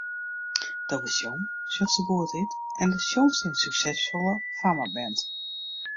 Do bist jong, sjochst der goed út en do sjongst yn in suksesfolle fammeband.